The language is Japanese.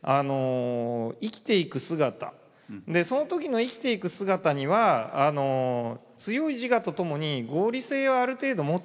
でその時の生きていく姿には強い自我とともに合理性をある程度持っているっていう。